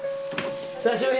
久しぶり！